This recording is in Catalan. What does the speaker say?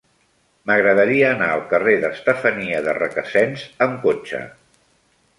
M'agradaria anar al carrer d'Estefania de Requesens amb cotxe.